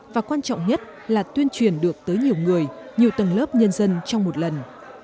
và quan trọng nhất là tuyên truyền được tới nhiều người nhiều tầng lớp nhân dân trong một lần